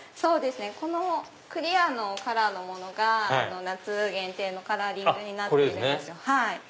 このクリアのカラーのものが夏限定のカラーリングになっているんですよ。